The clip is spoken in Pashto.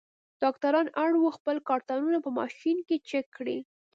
ډاکټران اړ وو خپل کارټونه په ماشین کې چک کړي.